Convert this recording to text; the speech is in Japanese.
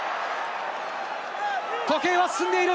時計は進んでいる。